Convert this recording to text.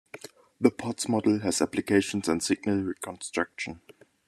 The Potts model has applications in signal reconstruction.